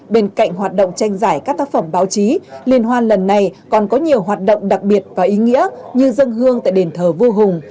bên cạnh hoạt động tranh giải các tác phẩm báo chí liên hoan lần này còn có nhiều hoạt động đặc biệt và ý nghĩa như dân hương tại đền thờ vua hùng